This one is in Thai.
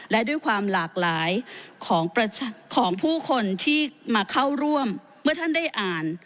และด้วยความหลากหลายของผู้คนที่มาเข้าร่วมเมื่อท่านได้อ่าน